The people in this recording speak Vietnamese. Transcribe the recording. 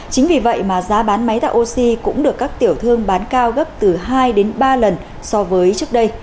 chính vì vậy mà giá bán máy tạo oxy cũng được các tiểu thương bán cao gấp từ hai đến ba lần so với trước đây